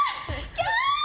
キャー！